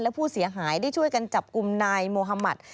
และผู้เสียหายได้ช่วยกันจับกลุ่มนายโมฮามัติ